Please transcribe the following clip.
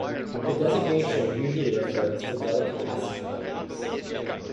The designation usually refers to delicatessen items.